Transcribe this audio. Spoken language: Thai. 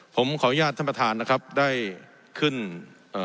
ผมขออนุญาตท่านประธานนะครับได้ขึ้นเอ่อ